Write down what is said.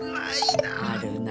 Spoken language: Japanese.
あるな。